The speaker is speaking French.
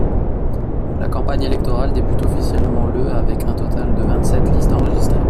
La campagne électorale débute officiellement le avec un total de vingt-sept listes enregistrées.